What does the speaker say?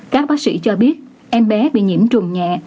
các bác sĩ cho biết em bé bị nhiễm trùng nhẹ